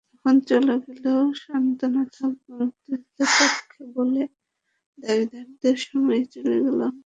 এখন চলে গেলেও সান্ত্বনা থাকবে, মুক্তিযুদ্ধে পক্ষের বলে দাবিদারদের সময়ই চলে গেলাম।